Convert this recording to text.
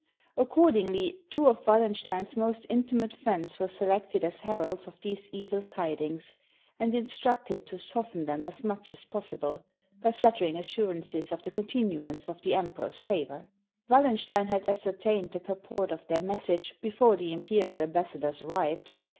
Accordingly, two of Wallenstein's most inti mate friends were selected as heralds of these evil tidings, and instructed to soften them as much as possible, by 297 AUSTRIA HUNGARY flattering assurances of the continuance of the Emperor's favor. Wallenstein had ascertained the purport of their message before the imperial ambassadors arrived.